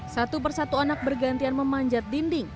satu persatu anak bergantian memanjat dinding